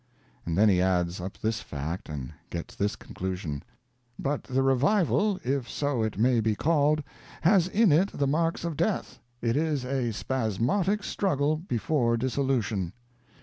And then he adds up this fact and gets this conclusion: "But the revival, if so it may be called, has in it the marks of death. It is a spasmodic struggle before dissolution."